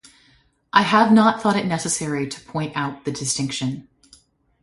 I have not thought it necessary to point out the distinction.